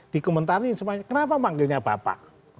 dikomentarin semuanya kenapa manggilnya bapak